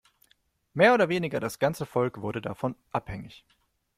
Mehr oder weniger das ganze Volk wurde davon abhängig.